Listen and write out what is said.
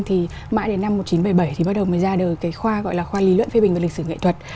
thì mãi đến năm một nghìn chín trăm bảy mươi bảy thì bắt đầu mới ra được cái khoa gọi là khoa lý luận phê bình và lịch sử nghệ thuật